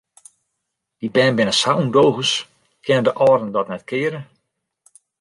Dy bern binne sa ûndogens, kinne de âlden dat net keare?